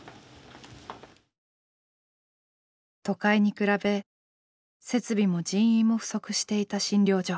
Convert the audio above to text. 都会に比べ設備も人員も不足していた診療所。